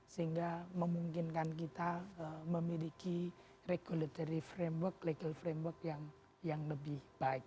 sehingga memungkinkan kita memiliki regulatory framework legal framework yang lebih baik